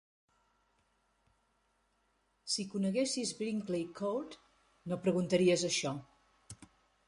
Si coneguessis Brinkley Court, no preguntaries això.